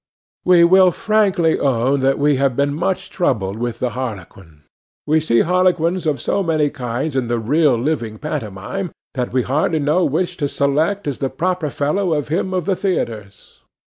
We will frankly own that we have been much troubled with the harlequin. We see harlequins of so many kinds in the real living pantomime, that we hardly know which to select as the proper fellow of him of the theatres.